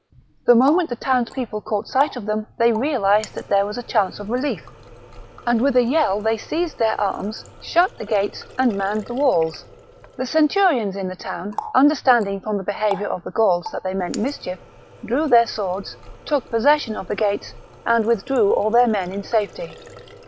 .The moment the townspeople caught sight of them, they realized that there was a chance of relief ; and with a yell they seized their arms, shut the gates,, and manned the walls. The centurions in the town, under standing from the behaviour of the Gauls that they meant mischief, drew their swords, took possession of the gates, and withdrew all their men in safety.